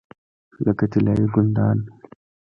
لکه طلایي ګلدان.